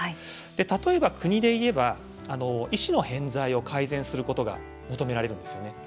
例えば国で言えば医師の偏在を改善することが求められるんですよね。